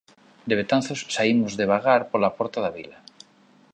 De Betanzos saímos devagar pola Porta da Vila